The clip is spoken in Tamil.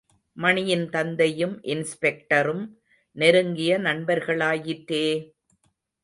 மணியின் தந்தையும் இன்ஸ்பெக்டரும் நெருங்கிய நண்பர்களாயிற்றே!